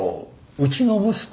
うちの息子。